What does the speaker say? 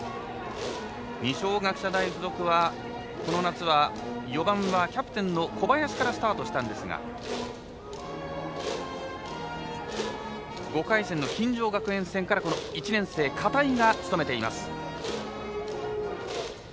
二松学舎大付属はこの夏は４番はキャプテンの小林からスタートしたんですが５回戦の錦城学園戦からこの１年生の片井が務めています。